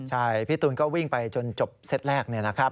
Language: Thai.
ใช่พี่ตูนก็วิ่งไปจนจบเซ็ตแรกนี่นะครับ